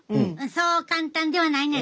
そう簡単ではないねん。